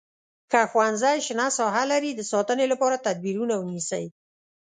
که ښوونځی شنه ساحه لري د ساتنې لپاره تدبیرونه ونیسئ.